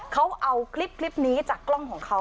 เขาเอาคลิปนี้จากกล้องของเขา